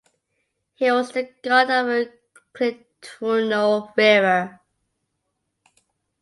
He was the god of the Clitunno River.